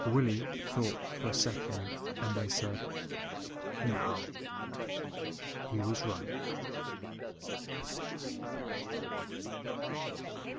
Willie thought a second and then said, "No." He was right.